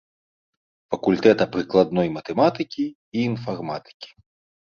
Факультэта прыкладной матэматыкі і інфарматыкі.